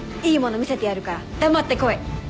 「いいもの見せてやるから黙って来い」